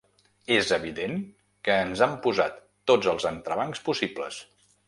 És evident que ens han posat tots els entrebancs possibles.